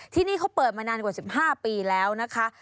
ที่นี่เขาเปิดมานานกว่า๑๕ปีแล้วนะคะ